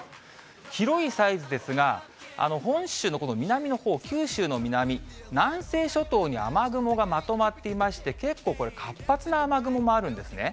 広いサイズですが、本州のこの南のほう、九州の南、南西諸島に雨雲がまとまっていまして、結構これ、活発な雨雲もあるんですね。